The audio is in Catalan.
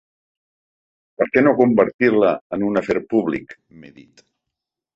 «Per què no convertir-la en un afer públic?», m’he dit.